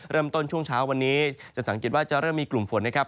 ช่วงเช้าวันนี้จะสังเกตว่าจะเริ่มมีกลุ่มฝนนะครับ